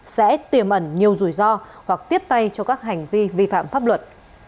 sẽ tiềm ẩn nhiều rủi ro hoặc tiếp tay cho các hành vi vi phạm pháp luật